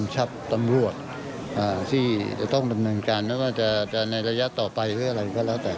จะต้องประมาณการไม่ว่าจะในระยะต่อไปหรืออะไรก็แล้วแต่